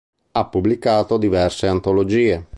Ha pubblicato diverse antologie.